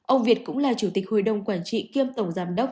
ông việt cũng là chủ tịch hội đồng quản trị kiêm tổng giám đốc